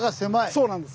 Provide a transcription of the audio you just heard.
そうなんです。